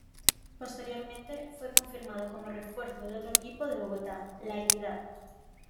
Posteriormente, fue confirmado como refuerzo de otro equipo de Bogotá, La Equidad.